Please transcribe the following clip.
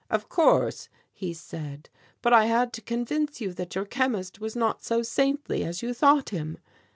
'Of course,' he said, 'but I had to convince you that your chemist was not so saintly as you thought him.